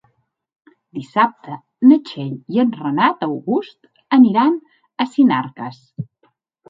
Dissabte na Txell i en Renat August aniran a Sinarques.